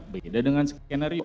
beda dengan skenario